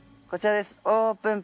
オープン！